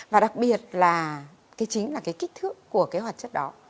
và đặc biệt là chính là cái kích thước của cái hoạt chất đó